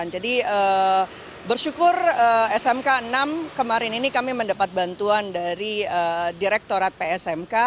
jadi bersyukur smk enam kemarin ini kami mendapat bantuan dari direktorat psmk